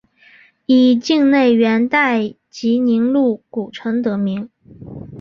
以境内元代集宁路古城得名。